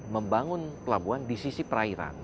membangun pelabuhan di sisi perairan